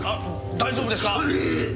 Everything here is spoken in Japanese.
大丈夫ですか？